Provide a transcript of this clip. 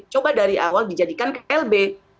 coba dari awal dijadikan klb